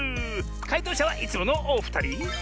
かいとうしゃはいつものおふたり。